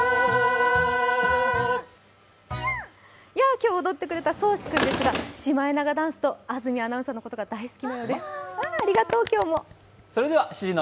今日踊ってくれたそうし君ですが、シマエナガダンスと安住アナウンサーのことが大好きなようです。